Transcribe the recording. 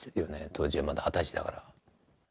当時はまだ二十歳だから。